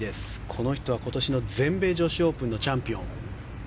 この人は今年の全米女子オープンチャンピオン。